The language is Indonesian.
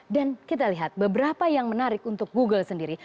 dan kita lihat beberapa yang menarik untuk google sendiri